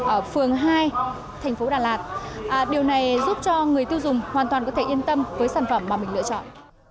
ở phường hai thành phố đà lạt điều này giúp cho người tiêu dùng hoàn toàn có thể yên tâm với sản phẩm mà mình lựa chọn